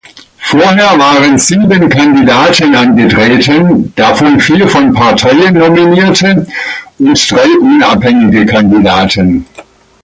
Vorher waren sieben Kandidaten angetreten, davon vier von Parteien nominierte und drei unabhängige Kandidaten.